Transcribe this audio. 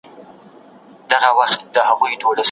د معنوي فکري ودي پروسه ګټوره ده.